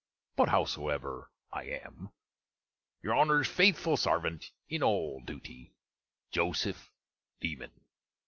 But, howsomever, I am Your Honner's fetheful sarvant in all dewtie, JOSEPH LEMAN.